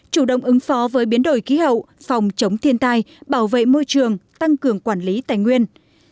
chủ động ứng phó với biến đổi khí hậu phòng chống thiên tai bảo vệ môi trường tăng cường quản lý tài nguyên